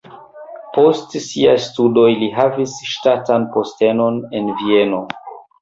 Post siaj studoj li havis ŝtatan postenon en Vieno.